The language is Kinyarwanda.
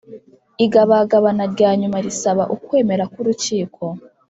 Igabagabana rya nyuma risaba ukwemera k urukiko